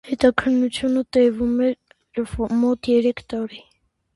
Հետաքննությունը տևում էր մոտ երեք տարի։